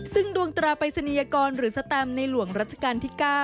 ซึ่งดวงตราปริศนียกรหรือสแตมในหลวงรัชกาลที่๙